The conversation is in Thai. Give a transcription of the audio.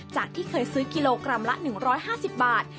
จากที่เคยซื้อกิโลกรัมละ๑๕๐บาท